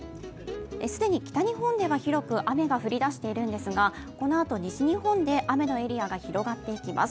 既に北日本では広く雨が降り出しているんですがこのあと西日本で雨のエリアが広がっていきます。